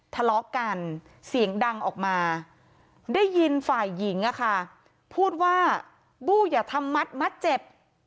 ทะเลาะกันเสียงดังออกมาได้ยินฝ่ายหญิงอะค่ะพูดว่าบู้อย่าทำมัดมัดเจ็บ